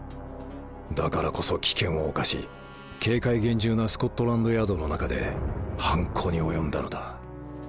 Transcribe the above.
だからこそ危険を冒し警戒厳重なスコットランドヤードの中で犯行に及んだのだ